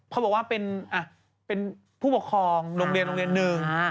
เขาบอกว่าเป็นผู้ปกครองโรงเรียนนึง